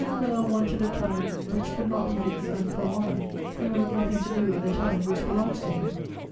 de Villèle wanted a time which could not be his and, from honour, he will have nothing to do with a time which belongs to him.